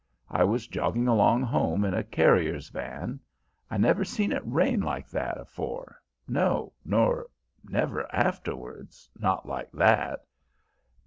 I was jogging along home in a carrier's van; I never seen it rain like that afore, no, nor never afterwards, not like that.